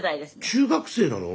中学生なの？